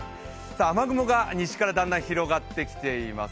雨雲が西からだんだん広がってきています。